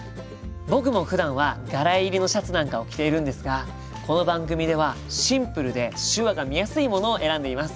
僕もふだんは柄入りのシャツなんかを着ているんですがこの番組ではシンプルで手話が見やすいものを選んでいます。